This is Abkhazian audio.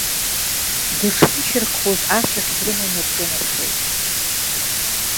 Дышхьышьарххоз ашәахь дрыманы рҿынархеит.